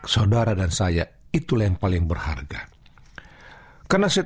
saudara dan saya adalah yang paling berharga di hadapan yesus